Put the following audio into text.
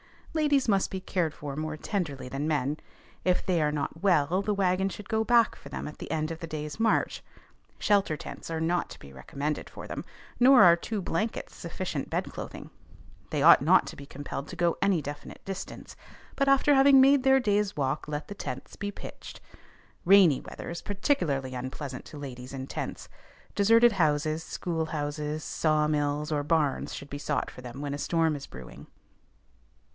Ladies must be cared for more tenderly than men. If they are not well, the wagon should go back for them at the end of the day's march; shelter tents are not to be recommended for them, nor are two blankets sufficient bedclothing. They ought not to be compelled to go any definite distance, but after having made their day's walk let the tents be pitched. Rainy weather is particularly unpleasant to ladies in tents; deserted houses, schoolhouses, saw mills, or barns should be sought for them when a storm is brewing.